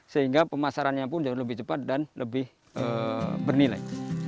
sehingga pemasarannya pun jauh lebih cepat dan lebih bernilai